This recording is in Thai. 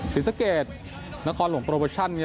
สินสเกตนครหลวงโปรโปรชั่น